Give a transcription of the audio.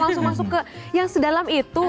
langsung masuk ke yang sedalam itu